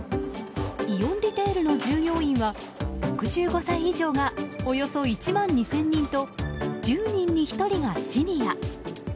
イオンリテールの従業員は６５歳以上がおよそ１万２０００人と１０人に１人がシニア。